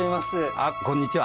あこんにちは。